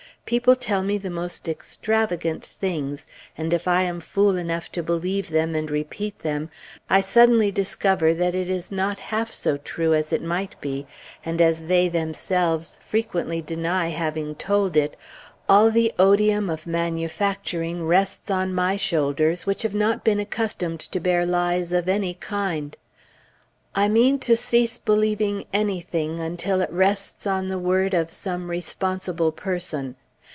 People tell me the most extravagant things, and if I am fool enough to believe them and repeat them, I suddenly discover that it is not half so true as it might be, and as they themselves frequently deny having told it, all the odium of "manufacturing" rests on my shoulders, which have not been accustomed to bear lies of any kind. I mean to cease believing anything, unless it rests on the word of some responsible person.